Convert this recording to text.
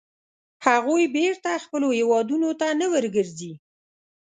هغوی بېرته خپلو هیوادونو ته نه ورګرځي.